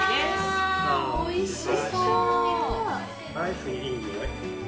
わおいしそう！